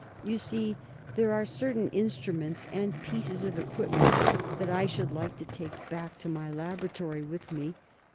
"You see, there are certain instruments and pieces of equipment that I should like to take back to my laboratory with me.